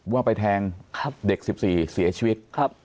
ว่าไปแทงเด็ก๑๔เสียชีวิต